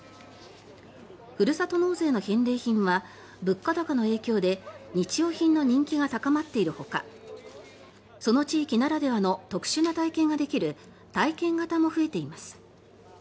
ふるさと納税の返礼品は物価高の影響で日用品の人気が高まっているほかその地域ならではの特殊な体験ができる体験型も増えています。